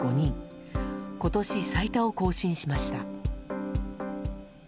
今年最多を更新しました。